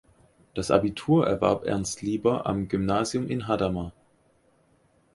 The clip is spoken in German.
Das Abitur erwarb Ernst Lieber am Gymnasium in Hadamar.